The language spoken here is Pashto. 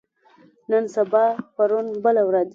نن سبا پرون بله ورځ